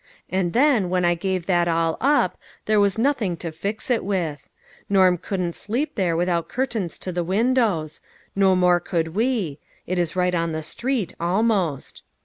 And then, when I gave that all up, there was nothing to fix it with. Norm couldn't sleep there without curtains to the windows; no more could we; it is right on the street, almost.